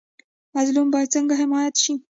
مظلوم باید څنګه حمایت شي؟